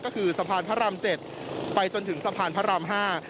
ก็คือสะพานพระราม๗ไปจนถึงสะพานพระราม๕